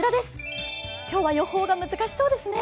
今日は予報が難しそうですね。